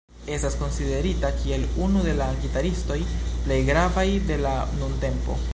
Estas konsiderita kiel unu de la gitaristoj plej gravaj de la nuntempo.